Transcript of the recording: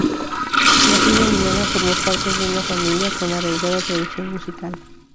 Nacido en Viena, formó parte de una familia con arraigada tradición musical.